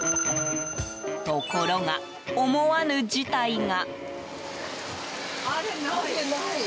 ところが、思わぬ事態が。